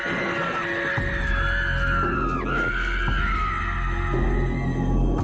เออ